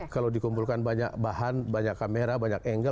kalau dikumpulkan banyak bahan banyak kamera banyak angle